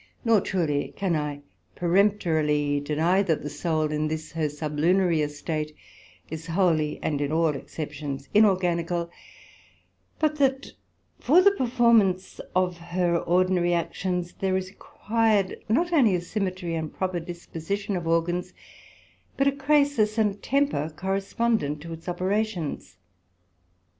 Nor truely can I peremptorily deny, that the Soul in this her sublunary estate, is wholly, and in all acceptions inorganical, but that for the performance of her ordinary actions, there is required not onely a symmetry and proper disposition of Organs, but a Crasis and temper correspondent to its operations.